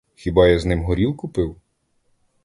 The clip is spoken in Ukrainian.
Хіба я з ним горілку пив?